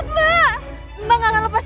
tidak jangan lupa elsa